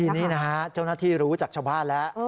นี่นะฮะเจ้าหน้าที่รู้จากชาวบ้านแล้ว